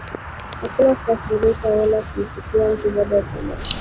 Hakuna kukasirika wala kumchukia mtu baada ya tamasha